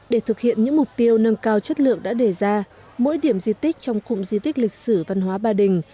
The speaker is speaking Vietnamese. để thực hiện những mục tiêu nâng cao chất lượng đã đề ra mỗi điểm di tích trong cụm di tích lịch sử văn hóa ba đình